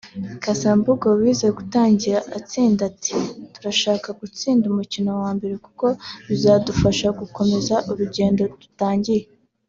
Casa Mbungo wizeye gutangira atsinda ati "Turashaka gutsinda umukino wa mbere kuko bizadufasha gukomeza urugendo dutangiye